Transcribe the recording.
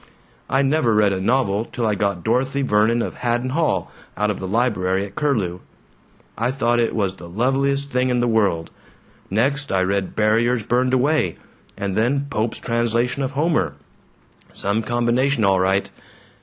"I never read a novel till I got 'Dorothy Vernon of Haddon Hall' out of the library at Curlew. I thought it was the loveliest thing in the world! Next I read 'Barriers Burned Away' and then Pope's translation of Homer. Some combination, all right!